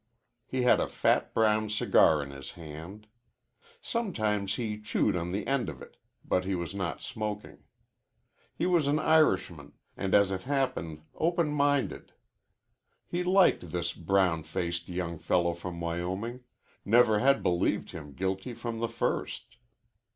He had a fat brown cigar in his hand. Sometimes he chewed on the end of it, but he was not smoking. He was an Irishman, and as it happened open minded. He liked this brown faced young fellow from Wyoming never had believed him guilty from the first.